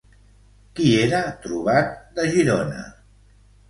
Qui era Trobat de Girona?